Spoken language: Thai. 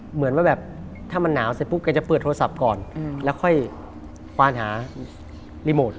เหมือนว่าแบบถ้ามันหนาวเสร็จปุ๊บแกจะเปิดโทรศัพท์ก่อนแล้วค่อยควานหารีโมท